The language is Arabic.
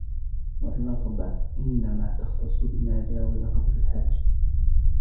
وَالرَّغْبَةُ إنَّمَا تَخْتَصُّ بِمَا جَاوَزَ قَدْرَ الْحَاجَةِ